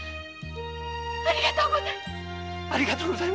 ありがとうございます。